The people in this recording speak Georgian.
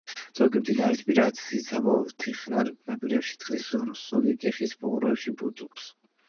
ზოგი მდინარისპირა ციცაბო თიხნარ ნაპირებში თხრის სოროს, ზოგი კი ხის ფუღუროში ბუდობს.